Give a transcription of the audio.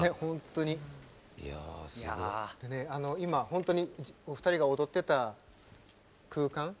本当にお二人が踊ってた空間